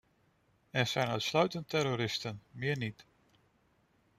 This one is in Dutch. Er zijn uitsluitend terroristen, meer niet.